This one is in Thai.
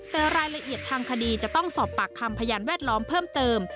แต่รายละเอียดทางคดีจะต้องสอบปากคำพยานแวดล้อมเพิ่มเติม